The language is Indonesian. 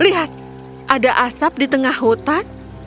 lihat ada asap di tengah hutan